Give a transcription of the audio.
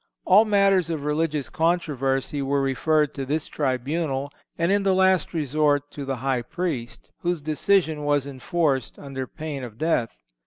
All matters of religious controversy were referred to this tribunal and in the last resort to the High Priest, whose decision was enforced under pain of death.